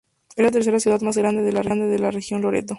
Es la tercera ciudad más grande de la región Loreto.